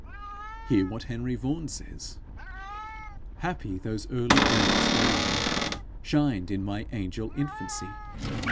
Hear what Henry Vaughan says: Happy those early dayes, when I Shin'd in my angell infancy!